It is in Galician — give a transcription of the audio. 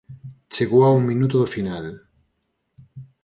Chegou a un minuto do final.